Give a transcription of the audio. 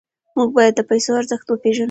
موږ باید د پیسو ارزښت وپېژنو.